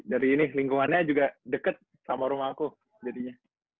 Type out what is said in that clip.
dari ini lingkungannya juga deket sama rumah aku jadinya